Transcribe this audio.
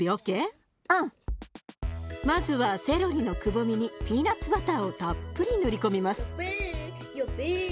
まずはセロリのくぼみにピーナツバターをたっぷり塗り込みます。